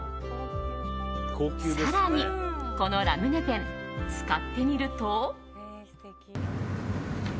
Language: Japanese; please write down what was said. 更に、このラムネペン使ってみると。